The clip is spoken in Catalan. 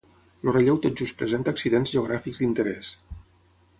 El relleu tot just presenta accidents geogràfics d'interès.